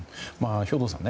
兵頭さん